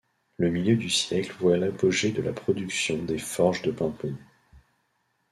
Le milieu du siècle voit l'apogée de la production des forges de Paimpont.